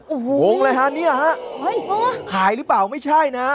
โอ้โหหงเลยฮะนี่หรือเปล่าไม่ใช่นะ